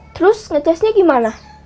terus ngecasnya gimana